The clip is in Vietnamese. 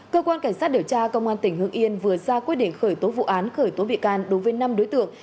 cơ quan cảnh sát điều tra công an tỉnh hưng yên vừa ra quyết định khởi tố vụ án khởi tố bị can đối với năm đối tượng